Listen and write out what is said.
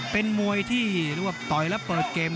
เป็นมวยที่หรือว่าโดยและเปิดเกม